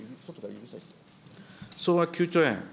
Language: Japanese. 総額９兆円。